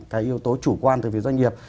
cái yếu tố chủ quan từ việc doanh nghiệp